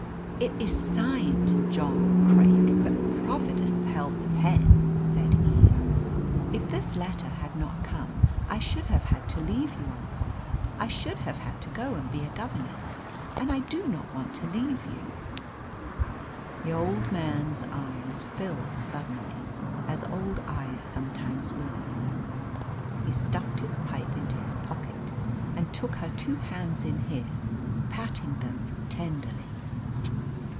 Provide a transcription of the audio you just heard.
"It is signed John Craik, but Providence held the pen," said Eve. "If this letter had not come I should have had to leave you, uncle. I should have had to go and be a governess. And I do not want to leave you." The old man's eyes filled suddenly, as old eyes sometimes will. He stuffed his pipe into his pocket and took her two hands in his, patting them tenderly.